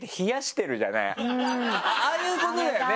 ああいうことだよね？